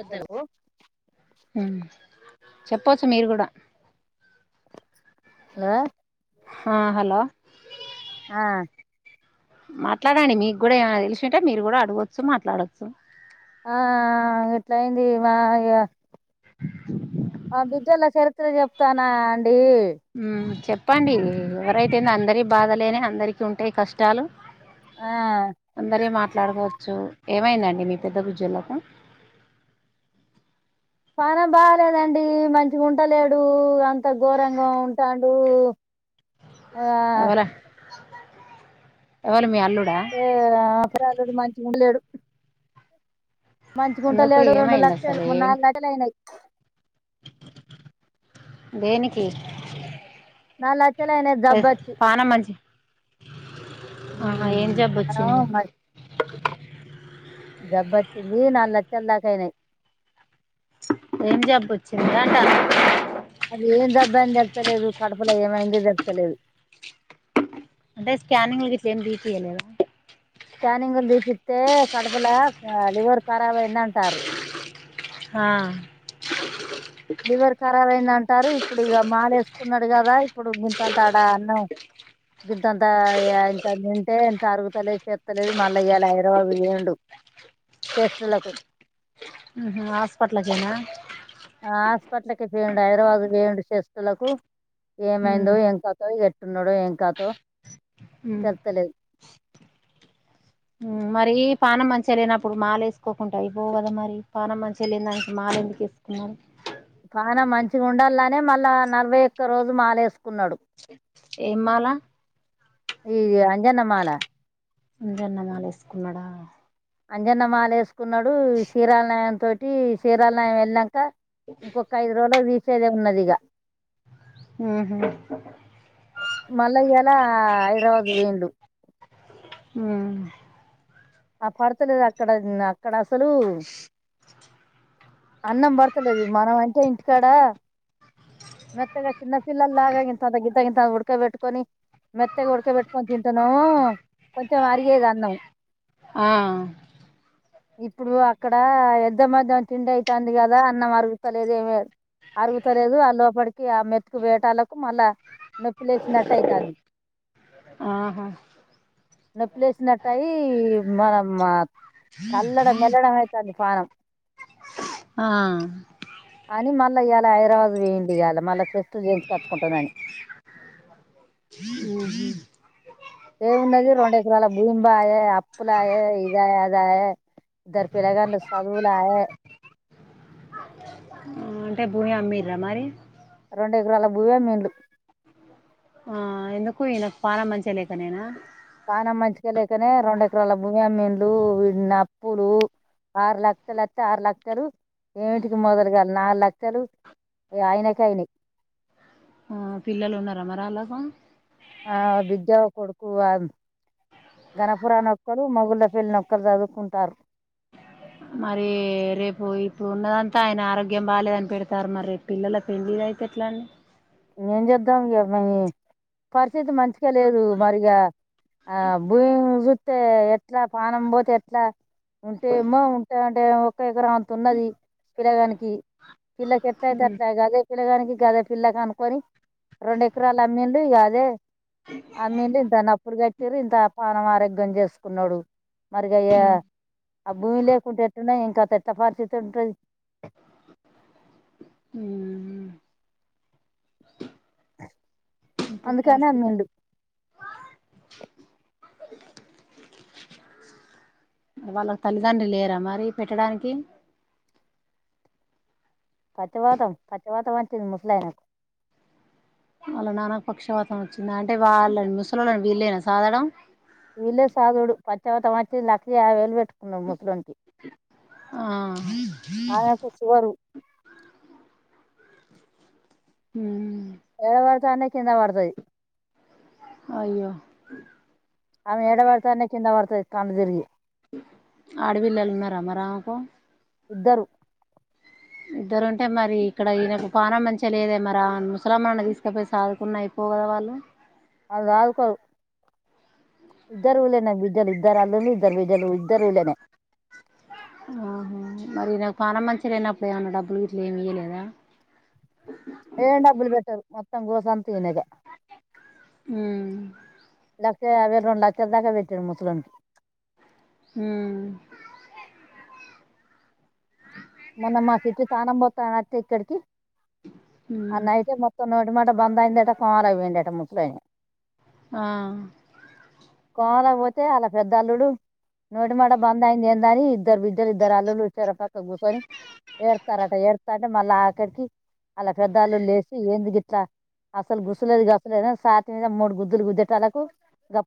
ఎద్దాం hello మ్ చెప్పవచ్చు మీరు కూడా హలో ఆ హలో ఆ మాట్లాడండి మీకు కూడా ఏమనా తెలిసింటే మీరు కూడా అడగచ్చు మాట్లాడొచ్చు ఆ ఇట్లా అయింది మా ఇ ఆ బిడ్డల చరిత్ర చెప్తానా అం మ్ చెప్ చెప్పండి ఎవరైతేనే అందరి బాధలేనే అందరికి ఉంటాయ్ కష్టాలు ఆ అందరి మాట్లాడుకోవచ్చు ఏమైందండి మీ పెద్ద గుజ్జులకు పానం బాలేదండి మంచిగా ఉంటలేడు అంత ఘోరంగా ఉంటాడు ఆ ఎవలి మీ అ [unintelligible] లది మంచిగా ఉండలేడు మంచిగుంట ఎందుకు లేడు రెండు ఏమైంది లక్షలు అసలు ఏం నాలుగు లక్షలు అయినాయి దేనికి నా లచ్చలైనై ఏ, జబ్బాచ్చి పానం మంచి ఆహా ఏం జబ్బు వచ్చింది జబ్బు వచ్చింది నాలుగు లక్షల దాకా అయినాయ్ ఏం జబ్బు వచ్చింది అట అది ఏం జబ్బని చెప్తలేదు కడపులో ఏమైంది చెప్తలేదు అంటే స్కానింగ్ లు గిట్ల ఏమీ తీపీయలేద స్కానింగ్ లు తీపిత్తే కడపులా లివర్ ఖరాబయిందంటారు హా లివర్ కరాబైదం రు ఇప్పుడు ఇక మాలేసుకున్నాడు కదా ఇప్పుడు గితంత ఆడ అన్నం గితంత ఇంత తింటే ఇంత అరుగుతలే చెత్తలేదు మళ్ళ ఇలా హైదరాబాదు పొయిండు చేష్టులకు మ్ హ్ హాస్పట్లకేనా ఆ హాస్పిట్లకే పొయిండు హైదరాబాద్ కు పొయిండు చెస్టులకు ఏమైందో ఉమ్ ఏం కతో ఎట్టున్నాడో ఏంకతో ఉమ్ తలుత్త లేద్ మరీ పానం మంచిగా లేనప్పుడు మాల వేసుకోకుండా అయిపో కదా మరి పానం మంచిగా లేన్దానికి మాల ఎందుకు వేసుకున్నారు కాన మంచిగా ఉండాలలానే మళ్ళా నలభై ఒక్క రోజు మాలేసుకున్నాడు ఏమ్ మాల ఈ అంజన్నమాల అంజన్నమాల వేస్కున్నాడా అంజన్న మాలేస్ కున్నాడు చీరాల్నె తోటి చీరాల్నె వెళ్ళి నాక ఇక ఇంకొక్క ఐదు రోజులు వ ఇచ్చేదె మున్నది ఇగ ఉహు మళ్ళా ఇయాల హైదరాబాద్ పోయిండు ఉమ్ ఆ పడ్తలేదు అక్కడన్ అక్కడ స్సలూ అన్నం పడతలేదు మనం అంటే ఇంటికాడా మెత్తగా చిన్న పిల్లల్లాగా ఇంత ఇంతగింత ఉడకబెట్టుకొని మెత్తగా ఉడకబట్టుకొని తిం ఇతనూ కొంచెం అరిగేది అన్నం ఆ ఇప్పుడు అక్కడ ఎద్ద మధ్యం తిండి అయితుంది కదా అన్నం అరుగుతలేదు ఏమి అరుగుతలేదు అ లోపడికి ఆ మెతుకు వేటాలకు మళ్ళా నొప్పి లేస్తునట్టయితాంది ఆహా నొప్పి లేసినట్టయి మరమ్మా చల్లడం మెల్లడం అయితాంది పానం ఆ అని మన ఇట్ల ఇయ్యాల హైదరాబాద్ పోయిండు ఇయ్యాల మళ్ళా టెస్టులు చేయించుకొచ్చుకుంటా అని ఊహు ఏమున్నది రెండు ఎకరాల భూమి పాయే అప్పులాయే ఇదాయె అదాయె ఇద్దరు పిల్లగాన్లు చదువులాయే మ్మ్ అంటే భూమి అమ్మిర్రా మరి రెండె ఎకరాల భూమి అమ్మిండు ఆ ఎందుకు ఈయనకు పానం మంచిగ లేకనేన పానం మంచిగ లేకనే రెండు ఎకరాల భూమి అమ్మిండు ఇన్నప్పులు ఆరు లక్షలత్తే ఆరు లక్షలు ఏమిటికి మొదలుగాను నాలుగు లక్షలు ఇగ ఆయనకె అయినియ్ అ పిల్లలు ఉన్నారా మరి ఆళ్ళకు ఆ బిడ్డ కొడుకు వాడు గణపురానొక్కరు మొవున్నాకెళ్లి నొక్కరు చదువుకుంటారు మరీ రేపు ఇప్పుడు ఉన్నదంతా ఆయన ఆరోగ్యం బాగాలేదని పెడతారు మరి రేపు పిల్లల పెళ్లిదయితే ఎట్లా అండి ఏం చేద్దాం ఇగ మ పరిస్థితి మంచిగ లేదు మరి ఇగా ఆ భూమ్ తే ఎట్ల పానం పోతే ఎట్ల ఉంటే ఏమో ఉంట తే ఒక్క ఎకరం అంత ఉన్నది పిలగానికి పిల్లకి ఎట్ల అయితే ఉమ్ అట్ల గదే పిల్లగానికి గదే పిల్లగాను కొని రెండు ఎకరాల్ అమ్మిండు ఇగ అదే అమ్మిండు దాని అప్పుడ్ కట్ తరి ఇంత పానం ఆరోగ్యం చేసుకున్నాడు మరిగ అయ ఉమ్ ఆ భూమి లేకుంటె ఎట్టునే తత ఎట్ట పర్సితీ ఉంటది హ్మ్ అంతె అందుకని పరిస్థితి అమ్మిండు వాళ్ళకు తల్లిదండ్రి లేరా మరి పెట్టడానికి పచ్చవాతం పచ్చవాతం వచ్చింది ముసలాయనకు వాళ్ళ నాన్నకు పక్షవాతం వచ్చింద అంటే వాళ్ళ ముసలొల్లని వీళ్లే నా సాదడం వీళ్లేే సాదుడు పచ్చవతం వచ్చి లక్ష యాభై వేలు పెట్టుకున్నం ముసలోనికి ఆ ఆయనకు షుగరు ఉ ఎడ పడితే అన్నే కింద పడతది అయ్యో ఆమె ఎడ బడితే అన్నే కింద పడ్తది కన్లు తిరిగి ఆడపిల్లలు ఉన్నారా మర ఆమెకు ఇద్దరు ఇద్దరు ఉంటే మరి ఇక్కడ ఈయనకు పానం మంచిగా లేద మరి ఆ ముసలామెను తీసుకపోయి సాదుకున్న అయిపోవు కదా వాళ్ళు వాళ్ళు సాదుకోరు ఇద్దరు ఊళ్ళో నే బిడ్డలు ఇద్దరు అల్లుళ్ళు ఇద్దరు బిడ్డలు ఇద్దరు ఊళ్ళో నే ఆహా మరి నాకు పానం మంచిగా లేనప్పుడు ఏమన్నా డబ్బులు ఇట్ల ఏమి ఇయలేదా ఏం డబ్బులు బెట్టరు మొత్తంగోస అంత ఈయనదే ఉ లక్ష యాభై రెండు లక్షల దాకా పెట్టిండు ముసలోనికి ఉమ్ మొన్న మా సిట్టి తానం పోత్తాన అత్తే ఇక్కడికి మ్మ్ అన్నైతే మొత్తం నో టి మాట బందయిదట కోమాలకు పోయిండట ముసలాయన ఆ కోమలాక పోతే అలా పెద్ద అల్లుడు నోటి మాట బంద్ అయింది ఏందని ఇద్దరు బిడ్డలు ఇద్దరు అల్లులుచ్చరపక్కన గుసొని ఏడతారట ఏడతా అంటే మళ్ళీ అక్కడికి ఆకరికి పెద్ద అల్లుడు లేసి ఏంది ఇట్లా అసలు గుసలేదు గసలేద సాతి మీద మూడు గుద్దులు గుద్ద్దటళ్లకు గ ప్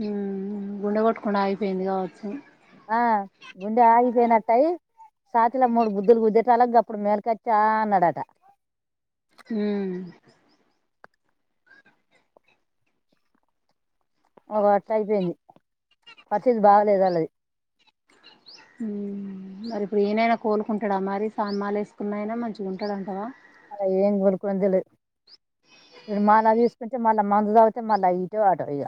ఉమ్ ఉమ్ గుండెకొట్టు కుండాగిపోయింది కావటి ఆ గుండె ఆగిపోయినట్టు అయి సాతిలో మూడు గుద్ధులు గుద్దిటలాకు అప్పుడు మేలకచ్చి ఆ అన్నాడట ఉ ఒక గట్ట అయిపోయింది పరిస్థితి బాగలేదు అళ్లది ఉమ్ మరి ఇప్పుడు ఇనైనా కోలుకుంటాడా మరి సామి మాల వేసుకున్న అయనా మంచిగా ఉంటాడఅన్ టావా అలా ఏం కొలుకునేది తెలేద్ ఇడు మాల తీసుకుంటే మళ్ళా మందు తాగితే మళ్ళా ఇటో అటో ఇగ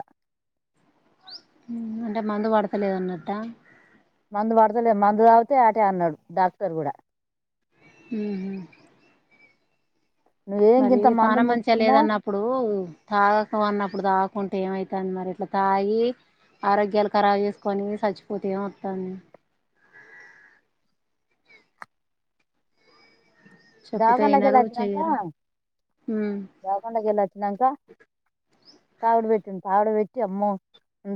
అంటే మందు పడతలేదన్నట్ట మందు పడతలే మందు తాగితే అటే అన్నాడు డాక్టర్ కూడా ఉంహు నువ్వేం మరి ఇంత మందు పానం మంచిగా ముట్టుకున్నా లేదన్నప్పుడు తాగకు అన్నప్పుడు తాగ్ కుంటే ఏమైతంది మరి ఇట్లా తాగి ఆరోగ్యాలు ఖరాబ్ చేసుకొని సచ్చిపోతే ఏం వత్తంది చెప్తే దవాకానా కి వెళ్ళి వినరు వచ్చినంక చెయ్యరు ఉమ్, దవాకానా కి వెళ్ళి వచ్చినంక తాగుడుబేట్ తాగుడు పెట్టి అమ్మో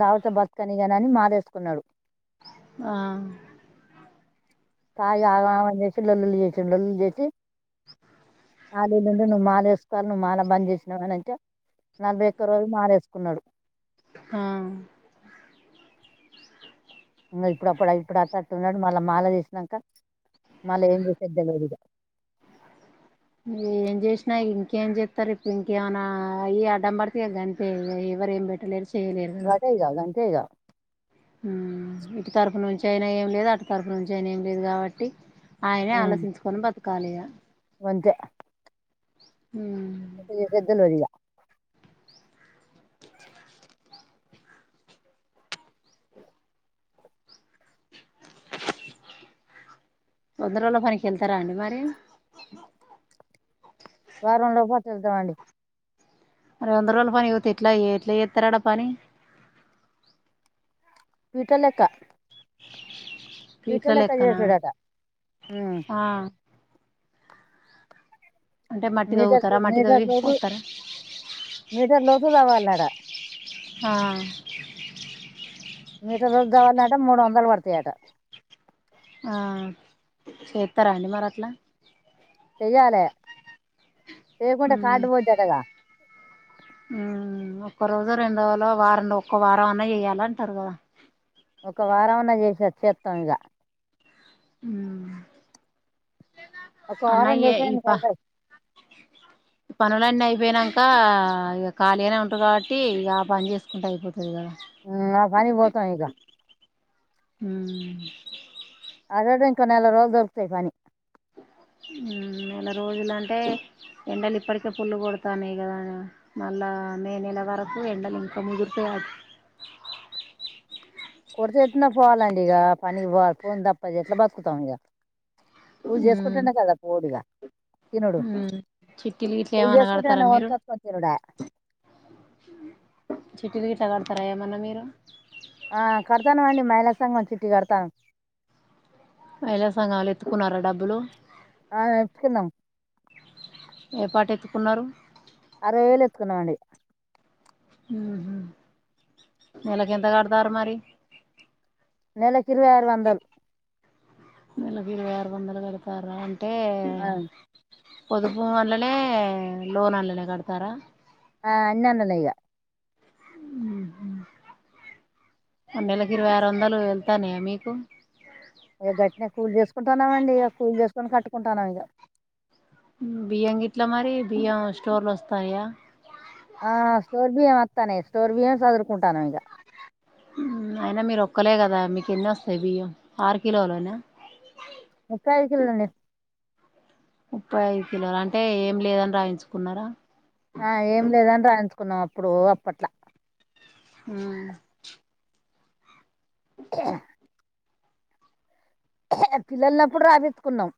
తాగితే బతుకనని ఇగ అనీ మాలెసుకున్నాడు ఆ తాగి ఆగమాగం చేసి లొల్లులు చేసి లొల్లులు చేసి మాలెల్లుండి నువ్వు మాల వేసుకోవలె నువ్వు మాల బంద్ చేసినావ్ అని అంటే నలభై ఒక్క రోజు మాలేసుకున్నాడు. హ ఇంకా ఇప్పుడప్పుడు ఇప్పుడు అటట్టున్నాడు మళ్ళా మాల తీసినాక మళ్ళా ఏం చేసేద్ద్ద తెల్వదు ఇగ ఏం జేసినా ఇంకేం జెత్తరు ఇప్పడు ఇంకేమైనా అయి అడ్డం బడితే గంతే ఎవరు ఏం బెట్టలేరు [unintelligible] ఇగా ఇటు తరపు నుంచి అయినా ఏం లేదు అటు తరపు నుంచి అయిన ఏం లేదు కాబట్టి ఆయనే ఆలోచించుకొని బ కాలేదా వంట హు [unintelligible] తొందరలో పనికి వెళ్తారా అండి మరి వారంలో పాటు వెళ్తామండి వంద రోజుల పని ఎట్లాయ ఎట్లా చేస్తారు ఆడ పని పీట్ లెక్క పీట్ పీట్ల లెక్క లెక్కన చేసేదట ఆ అంటే మట్టి మీటర్ తవ్వుతారా మట్టి మీటర్ తవ్వి లోతు పొత్తార [unintelligible] డా ఆ మీటర్ రోజు కావాలట మూడు వందలు పడతాయట ఆ చేస్తారా అండి మరి అట్లా చేయాలే చేయకుంటే కార్డ్ పోయిద్దిటగా ఉ ఒక్క రోజు రెండు రోజులో వారం ఒక్క వారం అన్నా చెయాల అంటారు కదా ఒక వారం అన్న చేసి వచ్చేత్తం ఇగ ఉ ఒక వారం చేసే ప [unintelligible] పనులన్నీ అయిపోయినాక ఇక ఖాళీ అనే ఉంటారు కాబట్టి ఇక ఆ పని చేసుకుంటే అయిపోతుంది ఆది కదా ఉమ్, ఆ పని పోతాం ఇక ఊ ఆడోడ ఇంక నెల రోజులు దొరుకుతాయి ఈ పని నెల రోజులుంటే ఎండలు ఇప్పటికే పుల్ కొడతాన్నాయి కదా మళ్ళా మే నెల వరకు ఎండలు ఇంకా ముదురుతయాట [unintelligible] పోవాలండి ఇక పని ఇవ్వాలి పో దప్పది ఎట్లా బతుకుతాం ఇక కూలీ ఉమ్ చేసుకుంటేనే కదా కుడు ఇగ తినుడు ఉమ్ చిట్టీలు గిట్లా కూలో ఏమన్నా చేసుకుంటే కడతారా మీరు కొనుక్కొచ్చి తినుడయే చిట్టీలు గిట్ల కడుతర ఏమన్న మీరు ఆ కడుతానమండి మహిళా సంఘం చిట్టి కడుతానం మైల సంగం ల ఎత్తుకున్నార డబ్బులు ఆ ఎత్తుకున్నాం ఏపటేత్తుకున్నారు అరవై వేలు ఎత్తుకున్నామండి మ్ హు నేలకేంత కడుతర్రు మరి నెలకిరవై ఆరు వందాలు నేలకి ఇరవై ఆరు వందలు కడుతార్ర ఆన్ ఎ ఆ, పొదుపు అండ్లనే లోన్ అండ్లనే కడతార్ర ఆ అన్నిఅండ్లనే ఇగ మ్ హు మరి నేలకు ఇరవై ఆరు వందలు ఎల్తాన్నాయా మీకు ఇగ గట్నే కలి చేసుకుంటన్నామండి ఇగ కూలి చేసుకొని కట్టుకుంటన్నాం ఇగ బియ్యం గిట్లా మరి బియ్యం స్టోర్లు వస్తాయా తానయ్ స్టోర్ బియ్యమే సద్గురుకుంటన్నాం ఇగ అయినా మీరు ఒక్కలే కదా మీకు ఎన్ని ఓస్తాయి బియ్యం ఆరు కిలోలు ఏనా ముపై ఐదు కిలోలండి ముప్పై ఐదు కిలోలు అంటే ఏం లేదని రాయించుకున్నారా ఆ ఏం లేదని రాయించు కున్నప్పుడు ఓ అప్పట్లా మ్ పిల్లలునప్పుడు రాపిచ్చుకున్నాం